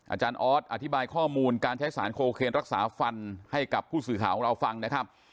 อาจารย์ออสอธิบายข้อมูลการใช้สารโคเคนรักษาฟันให้กับผู้สื่อข่าวของเราฟังนะครับ